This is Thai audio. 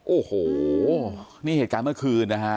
โอ้โหนี่เหตุการณ์เมื่อคืนนะฮะ